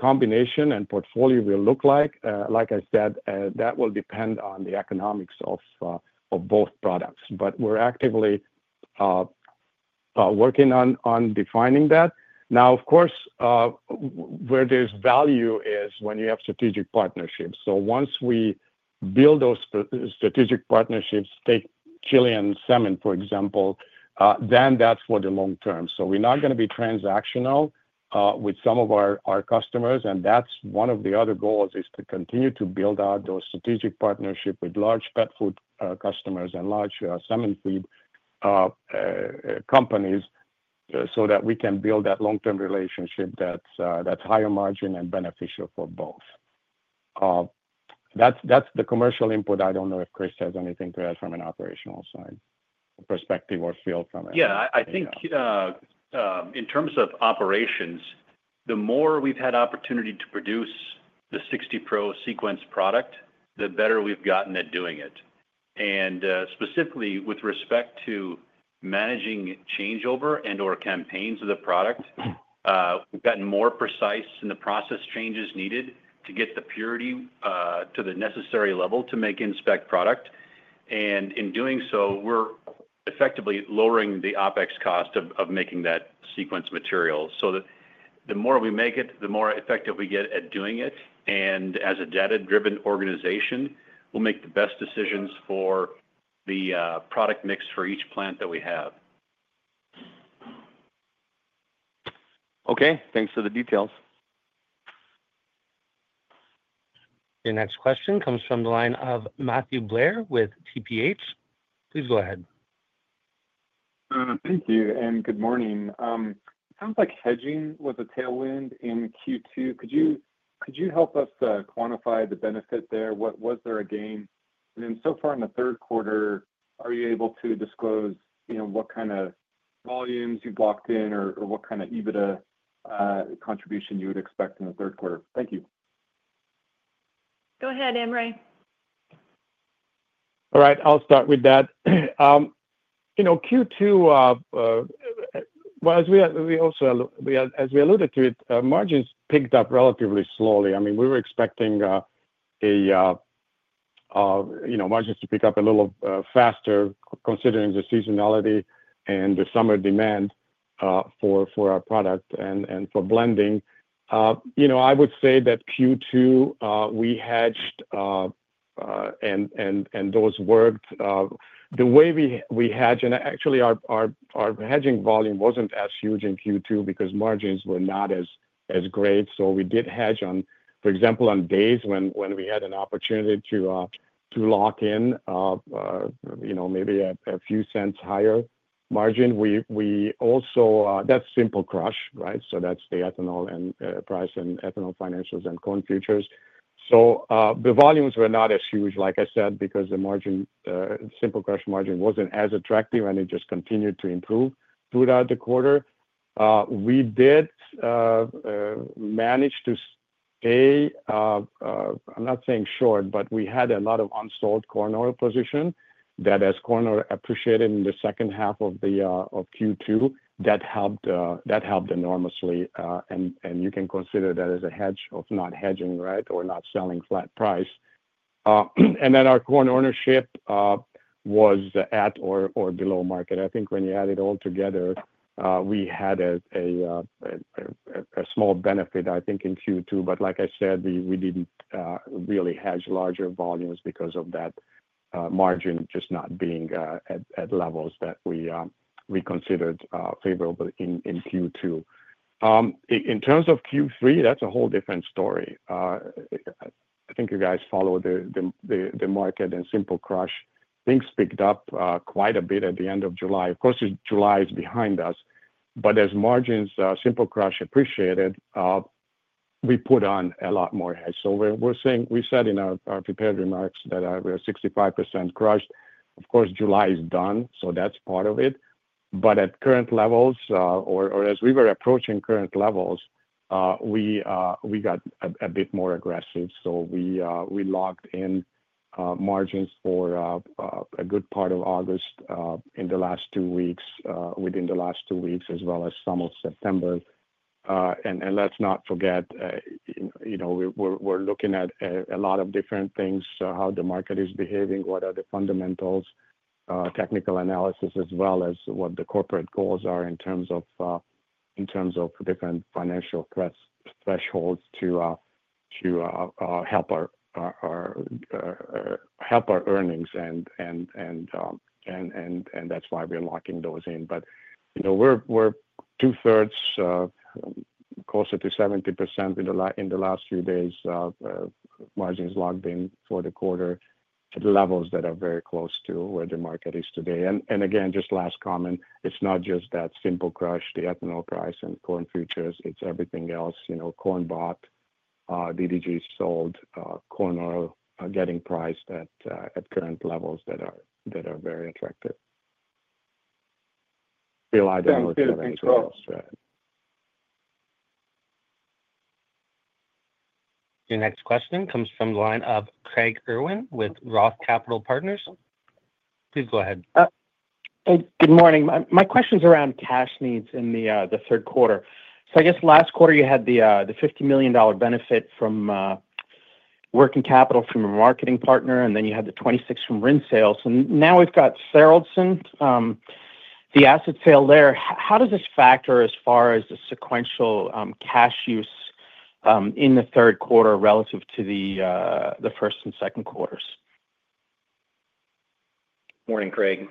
combination and portfolio will look like? Like I said, that will depend on the economics of both products. We're actively working on defining that. Of course, where there's value is when you have strategic partnerships. Once we build those strategic partnerships, take Chilean salmon, for example, then that's for the long term. We're not going to be transactional with some of our customers. One of the other goals is to continue to build out those strategic partnerships with large pet food customers and large salmon feed companies so that we can build that long-term relationship that's higher margin and beneficial for both. That's the commercial input. I don't know if Chris has anything to add from an operational side perspective or feel from it. Yeah, I think in terms of operations, the more we've had opportunity to produce the 60 Pro Sequence product, the better we've gotten at doing it. Specifically with respect to managing changeover and/or campaigns of the product, we've gotten more precise in the process changes needed to get the purity to the necessary level to make inspect product. In doing so, we're effectively lowering the OpEx cost of making that Sequence material. The more we make it, the more effective we get at doing it. As a data-driven organization, we'll make the best decisions for the product mix for each plant that we have. Okay, thanks for the details. Your next question comes from the line of Matthew Blair with TPH. Please go ahead. Thank you, and good morning. It sounds like hedging was a tailwind in Q2. Could you help us quantify the benefit there? Was there a gain? So far in the third quarter, are you able to disclose what kind of volumes you blocked in or what kind of EBITDA contribution you would expect in the third quarter? Thank you. Go ahead, Imre. All right, I'll start with that. Q2, as we alluded to, margins picked up relatively slowly. We were expecting margins to pick up a little faster considering the seasonality and the summer demand for our product and for blending. I would say that Q2, we hedged and those worked. The way we hedge, and actually, our hedging volume wasn't as huge in Q2 because margins were not as great. We did hedge on, for example, on days when we had an opportunity to lock in maybe a few cents higher margin. That's Simple Crush, right? That's the ethanol and price and ethanol financials and corn futures. The volumes were not as huge, like I said, because the margin, simple crush margin wasn't as attractive and it just continued to improve throughout the quarter. We did manage to stay, I'm not saying short, but we had a lot of unsold corn oil position that as corn oil appreciated in the second half of Q2, that helped enormously. You can consider that as a hedge of not hedging, or not selling flat price. Our corn ownership was at or below market. I think when you add it all together, we had a small benefit, I think, in Q2. Like I said, we didn't really hedge larger volumes because of that margin just not being at levels that we considered favorable in Q2. In terms of Q3, that's a whole different story. I think you guys followed the market and Simple Crush. Things picked up quite a bit at the end of July. July is behind us. As margins Simple Crush appreciated, we put on a lot more hedge. We said in our prepared remarks that we were 65% crushed. July is done, so that's part of it. At current levels, or as we were approaching current levels, we got a bit more aggressive. We locked in margins for a good part of August in the last two weeks, within the last two weeks, as well as some of September. Let's not forget, we're looking at a lot of different things, how the market is behaving, what are the fundamentals, technical analysis, as well as what the corporate goals are in terms of different financial thresholds to help our earnings. That's why we're locking those in. We're 2/3, closer to 70% in the last few days, margins locked in for the quarter at levels that are very close to where the market is today. Just last comment, it's not just that Simple Crush, the ethanol price, and corn futures. It's everything else. Corn bought, DDGs sold, corn oil getting priced at current levels that are very attractive. Phil, I don't know if you have anything else. Your next question comes from the line of Craig Irwin with Roth Capital Partners. Please go ahead. Hey, good morning. My question is around cash needs in the third quarter. Last quarter you had the $50 million benefit from working capital from a marketing partner, and then you had the $26 million from RIN sales. Now we've got Tharaldson, the asset sale there. How does this factor as far as the sequential cash use in the third quarter relative to the first and second quarters? Morning, Craig.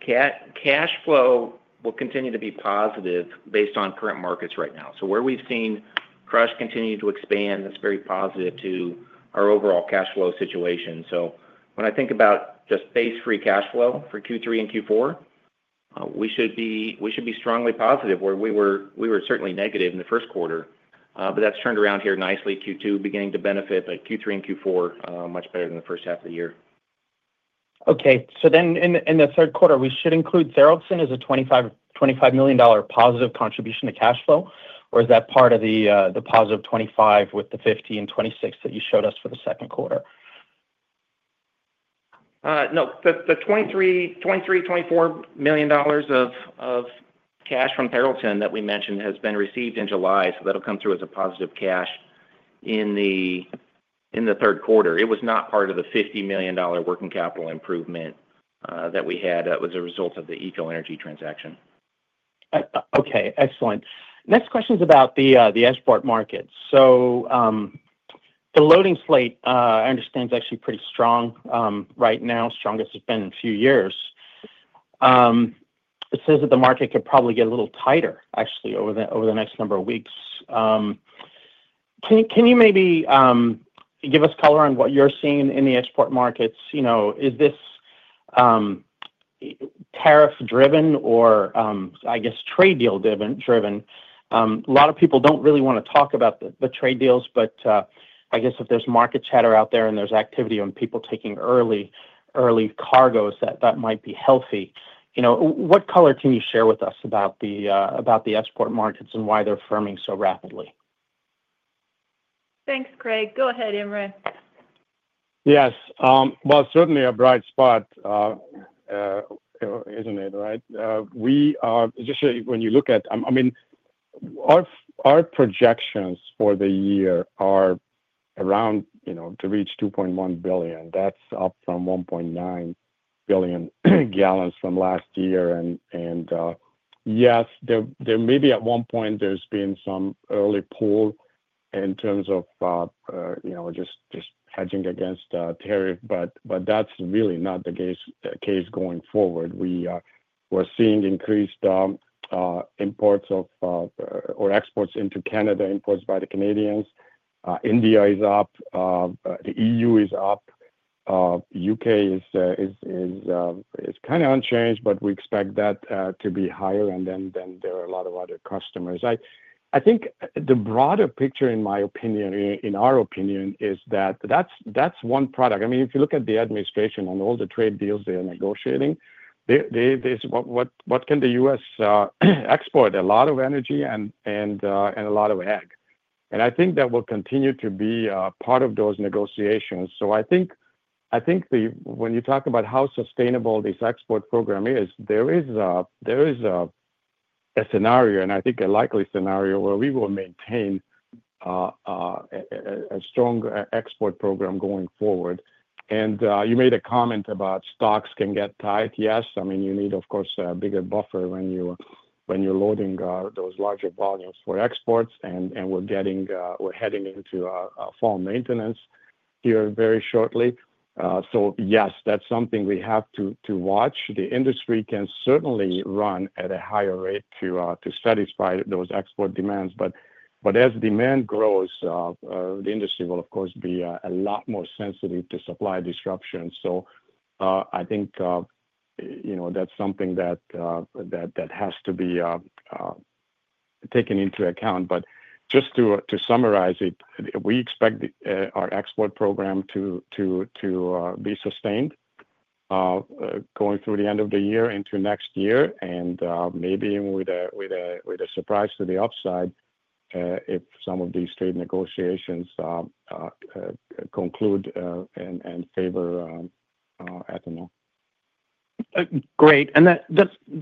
Cash flow will continue to be positive based on current markets right now. Where we've seen Crush continue to expand, that's very positive to our overall cash flow situation. When I think about just base-free cash flow for Q3 and Q4, we should be strongly positive, where we were certainly negative in the first quarter. That's turned around here nicely, Q2 beginning to benefit, with Q3 and Q4 much better than the first half of the year. Okay. In the third quarter, should we include Tharaldson as a +$25 million contribution to cash flow, or is that part of the +$25 million with the $15 million, $26 million that you showed us for the second quarter? No, the $23 million, $24 million of cash from Tharaldson that we mentioned has been received in July. That'll come through as a positive cash in the third quarter. It was not part of the $50 million working capital improvement that we had as a result of the Eco-Energy transaction. Okay. Excellent. Next question is about the export markets. The loading slate, I understand, is actually pretty strong right now, strongest it's been in a few years. It says that the market could probably get a little tighter, actually, over the next number of weeks. Can you maybe give us color on what you're seeing in the export markets? Is this tariff-driven or, I guess, trade deal-driven? A lot of people don't really want to talk about the trade deals, but I guess if there's market chatter out there and there's activity on people taking early cargos, that might be healthy. What color can you share with us about the export markets and why they're firming so rapidly? Thanks, Craig. Go ahead, Imre. Yes. It's certainly a bright spot, isn't it, right? We are, just when you look at, I mean, our projections for the year are around, you know, to reach 2.1 billion. That's up from 1.9 billion gallons from last year. There may be at one point there's been some early pull in terms of, you know, just hedging against the tariff, but that's really not the case going forward. We're seeing increased imports of or exports into Canada, imports by the Canadians. India is up. The EU is up. The U.K. is kind of unchanged, but we expect that to be higher. There are a lot of other customers. I think the broader picture, in my opinion, in our opinion, is that that's one product. I mean, if you look at the administration and all the trade deals they're negotiating, what can the U.S. export? A lot of energy and a lot of ag. I think that will continue to be part of those negotiations. I think when you talk about how sustainable this export program is, there is a scenario, and I think a likely scenario where we will maintain a strong export program going forward. You made a comment about stocks can get tight. Yes, you need, of course, a bigger buffer when you're loading those larger volumes for exports. We're heading into a fall maintenance here very shortly. Yes, that's something we have to watch. The industry can certainly run at a higher rate to satisfy those export demands. As demand grows, the industry will, of course, be a lot more sensitive to supply disruptions. I think, you know, that's something that has to be taken into account. Just to summarize it, we expect our export program to be sustained going through the end of the year into next year, and maybe even with a surprise to the upside if some of these trade negotiations conclude and favor ethanol. Great. The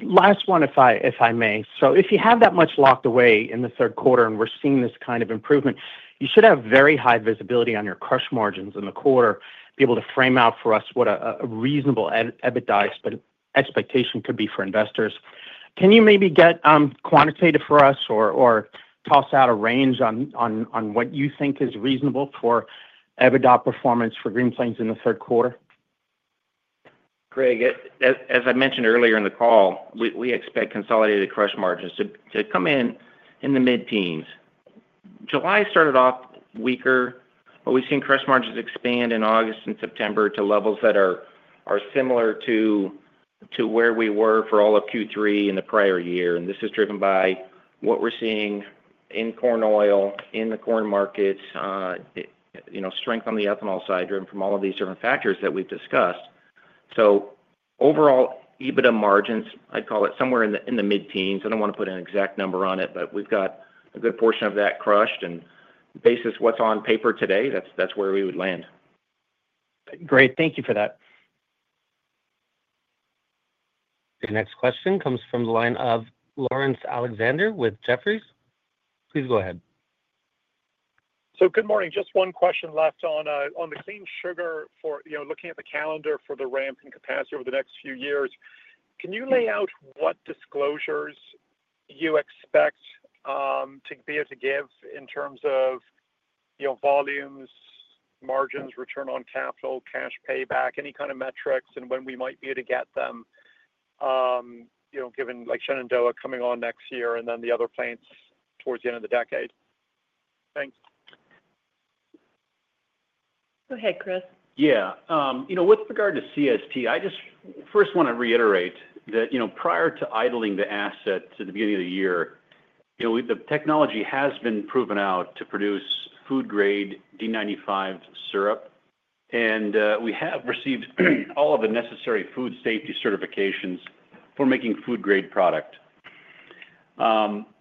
last one, if I may. If you have that much locked away in the third quarter and we're seeing this kind of improvement, you should have very high visibility on your crush margins in the quarter, be able to frame out for us what a reasonable EBITDA expectation could be for investors. Can you maybe get quantitative for us or toss out a range on what you think is reasonable for EBITDA performance for Green Plains in the third quarter? Craig, as I mentioned earlier in the call, we expect consolidated crush margins to come in in the mid-teens. July started off weaker, but we've seen crush margins expand in August and September to levels that are similar to where we were for all of Q3 in the prior year. This is driven by what we're seeing in corn oil, in the corn markets, strength on the ethanol side driven from all of these different factors that we've discussed. Overall EBITDA margins, I'd call it somewhere in the mid-teens. I don't want to put an exact number on it, but we've got a good portion of that crushed. On the basis of what's on paper today, that's where we would land. Great, thank you for that. Your next question comes from the line of Laurence Alexander with Jefferies. Please go ahead. Good morning. Just one question left on the clean sugar for, you know, looking at the calendar for the ramp in capacity over the next few years. Can you lay out what disclosures you expect to be able to give in terms of, you know, volumes, margins, return on capital, cash payback, any kind of metrics, and when we might be able to get them, you know, given like Shenandoah coming on next year and then the other plants towards the end of the decade? Thanks. Go ahead, Chris. Yeah. You know, with regard to CST, I just first want to reiterate that, prior to idling the asset at the beginning of the year, the technology has been proven out to produce food-grade D95 syrup. We have received all of the necessary food safety certifications for making food-grade product.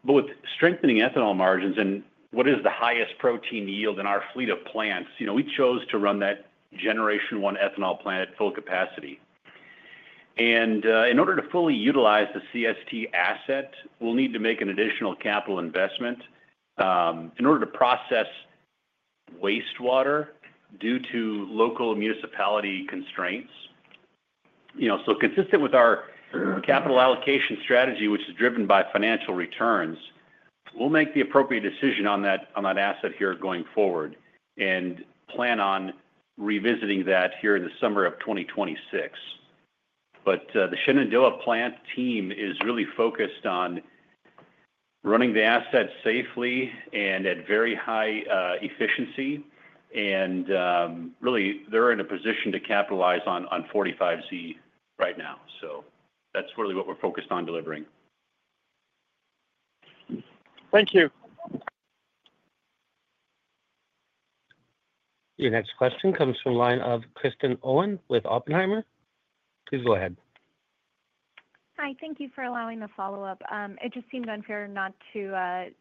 With strengthening ethanol margins and what is the highest protein yield in our fleet of plants, we chose to run that Generation 1 ethanol plant at full capacity. In order to fully utilize the CST asset, we'll need to make an additional capital investment to process wastewater due to local municipality constraints. Consistent with our capital allocation strategy, which is driven by financial returns, we'll make the appropriate decision on that asset here going forward and plan on revisiting that here in the summer of 2026. The Shenandoah plant team is really focused on running the asset safely and at very high efficiency. They're in a position to capitalize on 45Z right now. That's really what we're focused on delivering. Thank you. Your next question comes from the line of Kristen Owen with Oppenheimer. Please go ahead. Hi, thank you for allowing the follow-up. It just seemed unfair not to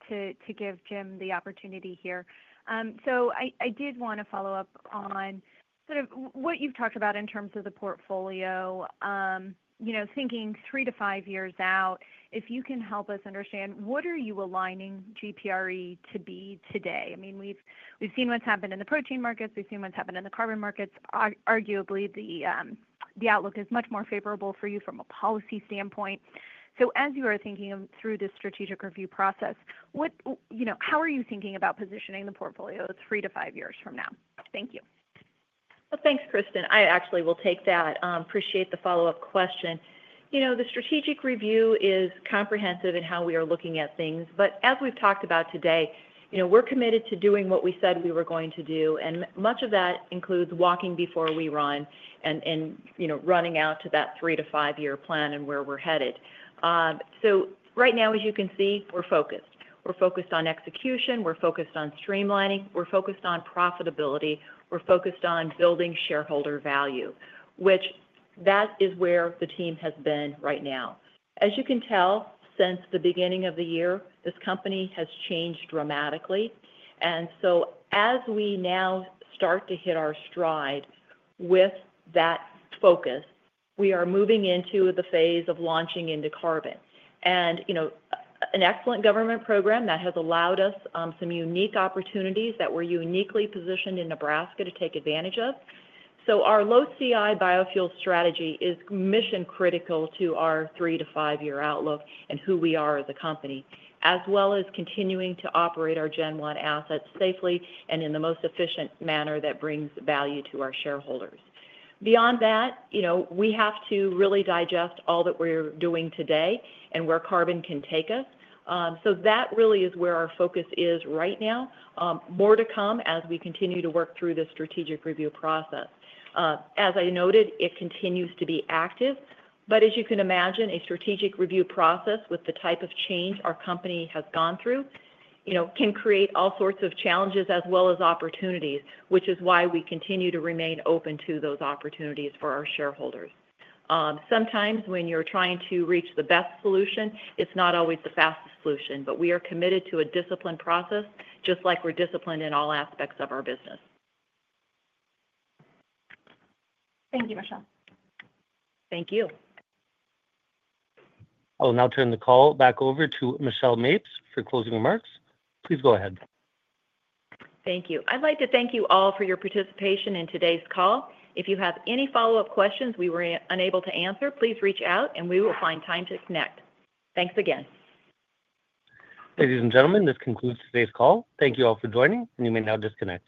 give Jim the opportunity here. I did want to follow up on sort of what you've talked about in terms of the portfolio. Thinking three to five years out, if you can help us understand what are you aligning GPRE to be today? We've seen what's happened in the protein markets. We've seen what's happened in the carbon markets. Arguably, the outlook is much more favorable for you from a policy standpoint. As you are thinking through this strategic review process, how are you thinking about positioning the portfolio three to five years from now? Thank you. Well, thanks Kristen. I actually will take that. Appreciate the follow-up question. The strategic review is comprehensive in how we are looking at things. As we've talked about today, we're committed to doing what we said we were going to do. Much of that includes walking before we run and running out to that three to five-year plan and where we're headed. Right now, as you can see, we're focused. We're focused on execution, we're focused on streamlining, we're focused on profitability, we're focused on building shareholder value, which that is where the team has been right now. As you can tell, since the beginning of the year, this company has changed dramatically. As we now start to hit our stride with that focus, we are moving into the phase of launching into carbon. An excellent government program has allowed us some unique opportunities that we're uniquely positioned in Nebraska to take advantage of. Our low CI biofuel strategy is mission-critical to our three to five-year outlook and who we are as a company, as well as continuing to operate our Gen 1 assets safely and in the most efficient manner that brings value to our shareholders. Beyond that, we have to really digest all that we're doing today and where carbon can take us. That really is where our focus is right now. More to come as we continue to work through this strategic review process. As I noted, it continues to be active. As you can imagine, a strategic review process with the type of change our company has gone through can create all sorts of challenges as well as opportunities, which is why we continue to remain open to those opportunities for our shareholders. Sometimes when you're trying to reach the best solution, it's not always the fastest solution, but we are committed to a disciplined process, just like we're disciplined in all aspects of our business. Thank you, Michelle. Thank you. I will now turn the call back over to Michelle Mapes for closing remarks. Please go ahead. Thank you. I'd like to thank you all for your participation in today's call. If you have any follow-up questions we were unable to answer, please reach out and we will find time to connect. Thanks again. Ladies and gentlemen, this concludes today's call. Thank you all for joining, and you may now disconnect.